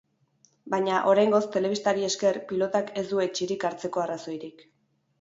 Baina, oraingoz, telebistari esker, pilotak ez du etsirik hartzeko arrazoirik.